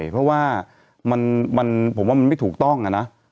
ผมว่ามันไม่ถูกต้องอะนะ